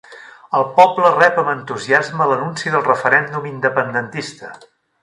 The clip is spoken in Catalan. El poble rep amb entusiasme l'anunci del referèndum independentista